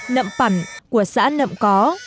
nậm pẩn của xã nậm có